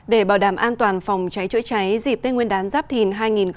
để bảo đảm an toàn phòng cháy chữa cháy dịp tết nguyên đán giáp thìn hai nghìn hai mươi bốn